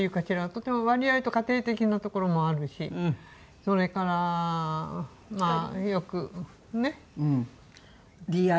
とても割合と家庭的なところもあるしそれからまあよくねえ。